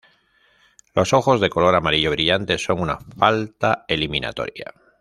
Los ojos de color amarillo brillante son una falta eliminatoria.